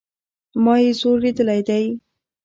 ما ئې زور ليدلى دئ